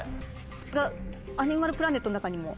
アニマルプラネットの中にも。